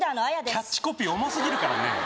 キャッチコピー重すぎるからねえ